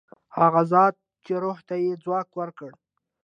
هغه ذات چې روح ته یې ځواک ورکړ.